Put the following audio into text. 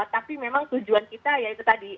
tapi memang tujuan kita ya itu tadi